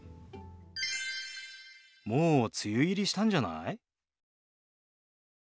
もう梅雨入りしたんじゃない？